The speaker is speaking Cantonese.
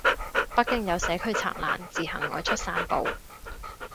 北京有社區拆欄自行外出散步